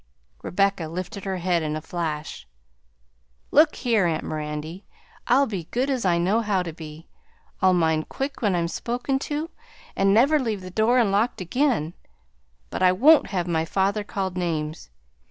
Rebecca lifted her head in a flash. "Look here, aunt Mirandy, I'll be as good as I know how to be. I'll mind quick when I'm spoken to and never leave the door unlocked again, but I won't have my father called names.